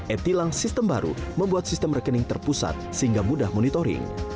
e tilang sistem baru membuat sistem rekening terpusat sehingga mudah monitoring